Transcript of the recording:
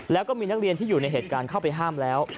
แล้วก็มีนักเรียนที่อยู่ในเหตุการณ์เข้าไปห้ามแล้ว